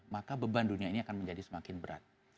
maka beban dunia ini akan menjadi semakin berat